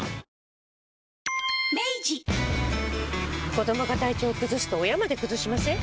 子どもが体調崩すと親まで崩しません？